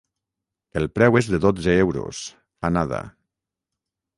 El preu és de dotze euros, anada.